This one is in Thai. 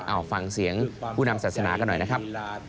เอาฟังเสียงผู้นำศาสนากันหน่อยนะครับ